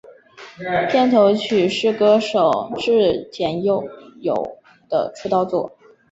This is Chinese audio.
片头曲是歌手矢田悠佑的出道作。